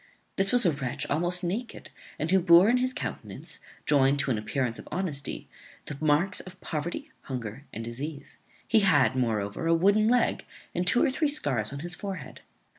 This was a wretch almost naked, and who bore in his countenance, joined to an appearance of honesty, the marks of poverty, hunger, and disease. He had, moreover, a wooden leg, and two or three scars on his forehead.